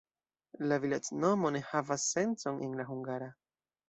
La vilaĝnomo ne havas sencon en la hungara.